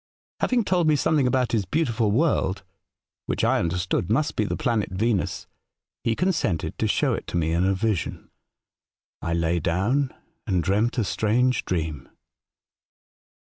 Hav ing told me something about his beautiful world — which I understood must be the planet Venus — he consented to show it to me in a vision. I lay down and dreamt a strange dream.